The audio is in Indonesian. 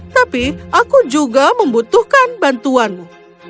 tapi aku juga membutuhkan bantuanmu